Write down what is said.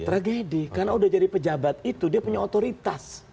tragedi karena udah jadi pejabat itu dia punya otoritas